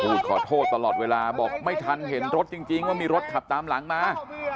ขอโทษตลอดเวลาบอกไม่ทันเห็นรถจริงว่ามีรถขับตามหลังมา